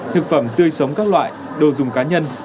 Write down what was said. thực phẩm tươi sống các loại đồ dùng cá nhân